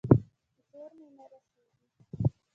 زور مې نه رسېږي.